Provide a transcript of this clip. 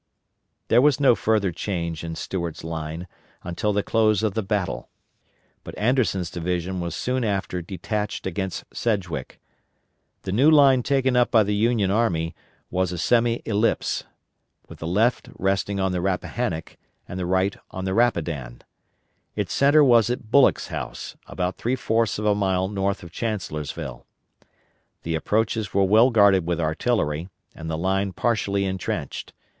There was no further change in Stuart's line until the close of the battle; but Anderson's division was soon after detached against Sedgwick. The new line taken up by the Union Army was a semi ellipse, with the left resting on the Rappahannock and the right on the Rapidan. Its centre was at Bullock's House, about three fourths of a mile north of Chancellorsville. The approaches were well guarded with artillery, and the line partially intrenched.